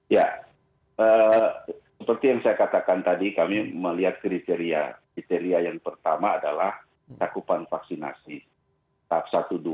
ya seperti yang saya katakan tadi kami melihat kriteria kriteria yang pertama adalah cakupan vaksinasi tahap satu dua